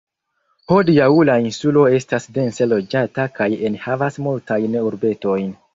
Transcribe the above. Hodiaŭ la insulo estas dense loĝata kaj enhavas multajn urbetojn.